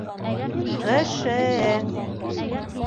ҒШЭ...